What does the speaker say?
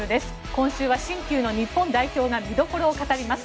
今週は新旧の日本代表が見どころを語ります。